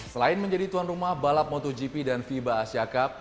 selain menjadi tuan rumah balap motogp dan fiba asia cup